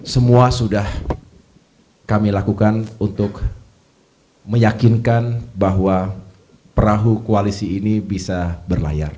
semua sudah kami lakukan untuk meyakinkan bahwa perahu koalisi ini bisa berlayar